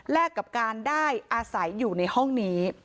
กับการได้อาศัยอยู่ในห้องนี้